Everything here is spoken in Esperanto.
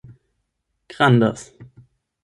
grandas